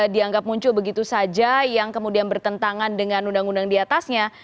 dianggap muncul begitu saja yang kemudian bertentangan dengan undang undang diatasnya